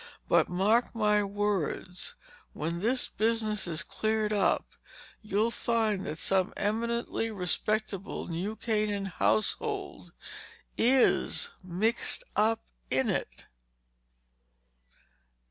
"But mark my words—when this business is cleared up, you'll find that some eminently respectable New Canaan household is mixed up in it!"